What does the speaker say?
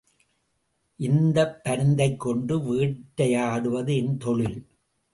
இந்தப் பருந்தைக் கொண்டு வேட்டையாடுவது என் தொழில்.